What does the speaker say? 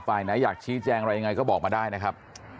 ฝ่ายไหนอยากชี้แจงอะไรยังไงก็บอกมาได้นะครับ